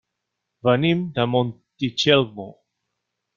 Venim de Montitxelvo.